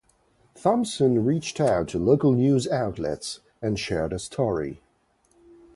Thompson reached out to local news outlets and shared her story.